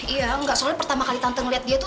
iya enggak soalnya pertama kali tante ngeliat dia tuh